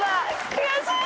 悔しい。